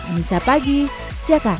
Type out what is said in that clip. nisa pagi jakarta